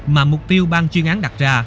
mà mục tiêu bang chuyên án đặt ra